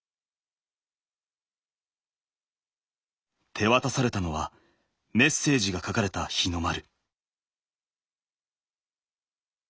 手渡されたのはメッセージが書かれた日の丸。